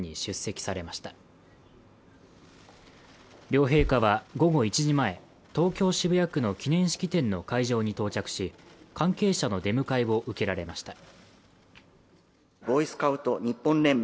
両陛下は午後１時前東京・渋谷区の記念式典の会場に到着し関係者の出迎えを受けられました。